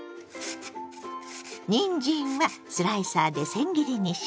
にんじんはスライサーでせん切りにします。